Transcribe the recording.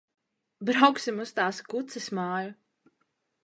Brauksim uz tās kuces māju.